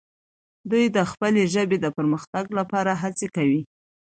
دوی د خپلې ژبې د پرمختګ لپاره هڅې کوي.